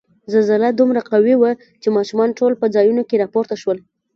زلزله دومره قوي وه چې ماشومان ټول په ځایونو کې را پورته شول.